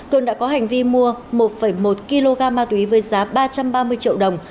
cường đã có hành vi mua một một kg ma túy với giá ba trăm ba mươi triệu đồng